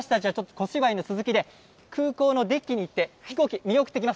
私たちはちょっと小芝居の続きで、空港のデッキに行って、飛行機見送ってきます。